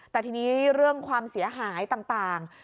แต่ทีนี้เรื่องความเสียหายต่าง